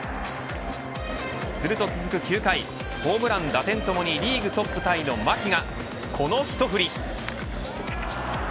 すると続く９回ホームラン、打点ともにリーグトップタイの牧がこの一振。